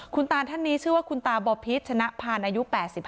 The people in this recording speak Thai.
คุณตาท่านนี้ชื่อว่าคุณตาบอพิษชนะพานอายุ๘๕